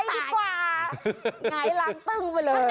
ไงล้างตึ้งไปเลย